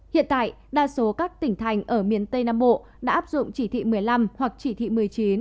hiện tại đa số các tỉnh thành ở miền tây nam bộ đã áp dụng chỉ thị một mươi năm hoặc chỉ thị một mươi chín